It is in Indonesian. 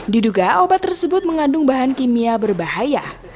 diduga obat tersebut mengandung bahan kimia berbahaya